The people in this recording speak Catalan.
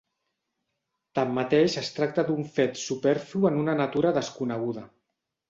Tanmateix, es tracta d'un fet superflu en una natura desconeguda.